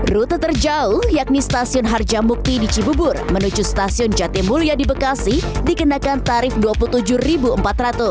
rute terjauh yakni stasiun harjamukti di cibubur menuju stasiun jatimulya di bekasi dikenakan tarif rp dua puluh tujuh empat ratus